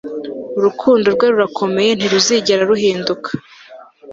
Urukundo rwe rurakomeye ntiruzigera ruhinduka